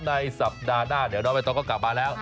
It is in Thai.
ในสัปดาห์หน้าเดี๋ยวน้องใบตองก็กลับมาแล้ว